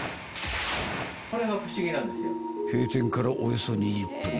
［閉店からおよそ２０分］